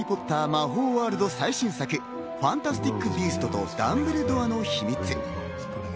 魔法ワールド最新作、『ファンタスティック・ビーストとダンブルドアの秘密』。